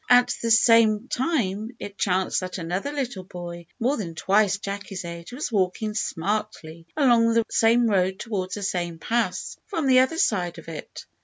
At this same time it chanced that another little boy, more than twice Jacky's age, was walking smartly along the same road towards the same pass from the other side of it.